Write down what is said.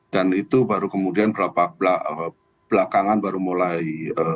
dan itu baru kemudian belakangan baru mulai